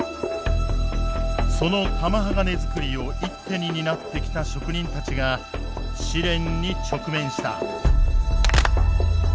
その玉鋼づくりを一手に担ってきた職人たちが試練に直面した。